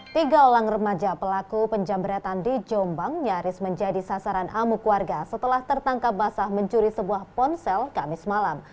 tiga orang remaja pelaku penjamretan di jombang nyaris menjadi sasaran amuk warga setelah tertangkap basah mencuri sebuah ponsel kamis malam